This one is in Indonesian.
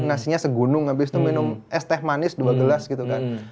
nasinya segunung habis itu minum es teh manis dua gelas gitu kan